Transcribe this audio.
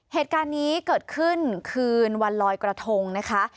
เหตุการณ์นี้เกิดขึ้นคืนวันลอยกระทงนะคะ